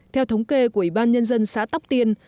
theo thống kê của ủy ban nhân dân xã tóc tiên